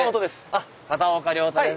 あっ片岡亮太です。